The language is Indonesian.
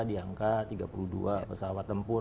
diangkat tiga puluh dua pesawat tempur